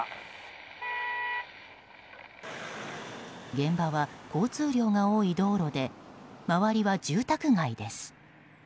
現場は交通量が多い道路で周りは住宅街です。